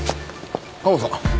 カモさん。